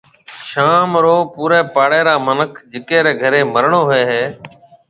شوم رو پوريَ پاڙيَ را منک جڪي ري گهري مرڻو هوئيَ هيَ